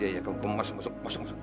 iya iya iya kamu masuk masuk masuk